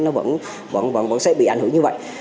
nó vẫn sẽ bị ảnh hưởng như vậy